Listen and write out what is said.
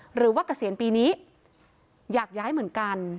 หรือว่ากระเศียญปีนี้อยากย้ายเหมือนกัน